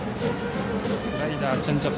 スライダー、チェンジアップ。